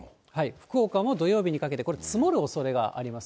福岡も土曜日にかけて、これ、積もるおそれがあります。